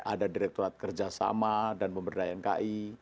ada direkturat kerjasama dan pemberdayaan ki